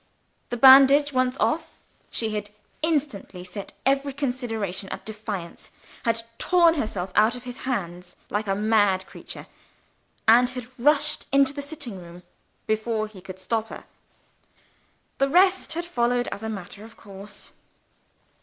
The bandage once off, she had instantly set every consideration at defiance had torn herself out of his hands like a mad creature and had rushed into the sitting room before he could stop her. The rest had followed as a matter of course.